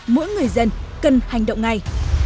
mỗi người dân cần hành động ngay